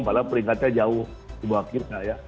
padahal peringkatnya jauh dibawah kita ya